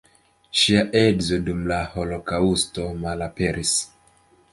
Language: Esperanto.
Ŝia edzo dum la holokaŭsto malaperis.